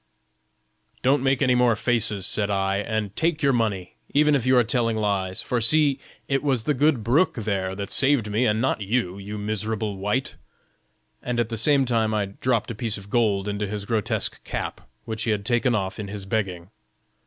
'Don't make any more faces,' said I, 'and take your money, even if you are telling lies; for see, it was the good brook there that saved me, and not you, you miserable wight! And at the same time I dropped a piece of gold into his grotesque cap, which he had taken off in his begging.